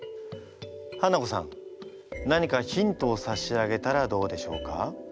ハナコさん何かヒントをさしあげたらどうでしょうか？